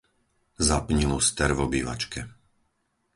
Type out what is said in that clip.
Zapni luster v obývačke.